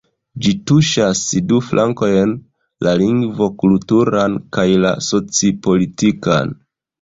Ĝi tuŝas du flankojn: la lingvo-kulturan kaj la soci-politikan.